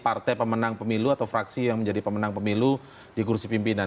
partai pemenang pemilu atau fraksi yang menjadi pemenang pemilu di kursi pimpinan